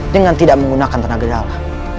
dengan tidak menggunakan tenaga dalam